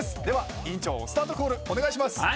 では委員長スタートコールお願いします。